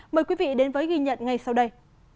mời quý vị đến với ghi nhận ngay sau đây